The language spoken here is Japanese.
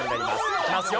いきますよ。